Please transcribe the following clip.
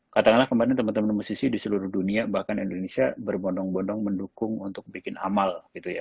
katakanlah kemarin teman teman musisi di seluruh dunia bahkan indonesia berbondong bondong mendukung untuk bikin amal gitu ya